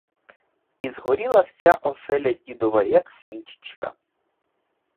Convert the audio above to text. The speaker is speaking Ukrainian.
І згоріла вся оселя дідова, як свічечка.